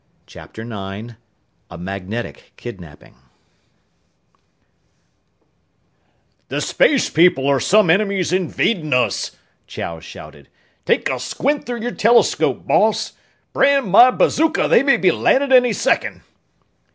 CHAPTER IX A MAGNETIC KIDNAPING "The space people or some enemy's invadin' us!" Chow shouted. "Take a squint through your telescope, boss! Brand my bazooka, they may be landin' any second!"